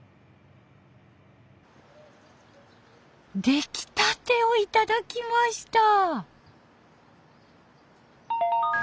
出来たてを頂きました。